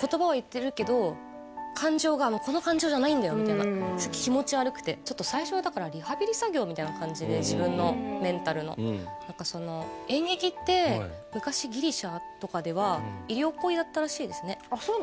言葉は言ってるけど感情がこの感情じゃないんだよみたいな気持ち悪くてちょっと最初はだから自分のメンタルの何かその演劇って昔ギリシャとかでは医療行為だったらしいですねあっそうなの？